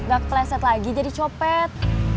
gak kleset lagi jadi copet